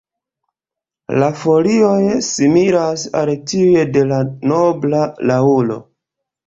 La folioj similas al tiuj de la nobla laŭro.